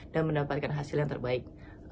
dan mendapatkan hasil yang terbaik